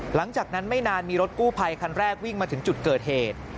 หลังจากนั้นไม่นานมีรถกู้ภัยคันแรกวิ่งมาถึงจุดเกิดเหตุ